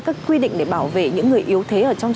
các quy định để bảo vệ những người yếu thế